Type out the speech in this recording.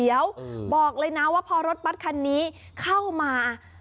เดี๋ยวบอกเลยนะว่าพอรถบัตรคันนี้เข้ามา